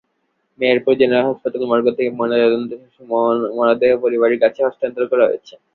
Meherpur general হাসপাতাল morgue থেকে ময়নাতদন্ত শেষে মরদেহ পরিবারের কাছে হস্তান্তর করা হয়েছে।